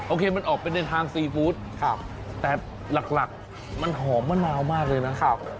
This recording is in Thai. โอเคมันออกไปในทางซีฟู้ดแต่หลักมันหอมมะนาวมากเลยนะ